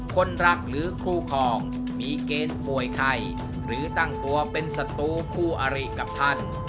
คนรักหรือคู่คลองมีเกณฑ์ป่วยไข้หรือตั้งตัวเป็นศัตรูคู่อริกับท่าน